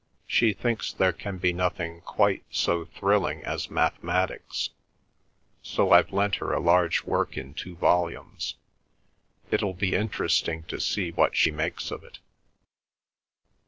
"She thinks there can be nothing quite so thrilling as mathematics, so I've lent her a large work in two volumes. It'll be interesting to see what she makes of it."